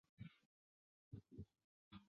车门打开了